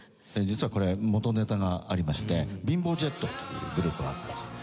実はこれ元ネタがありましてビンボー・ジェットっていうグループがあったんです。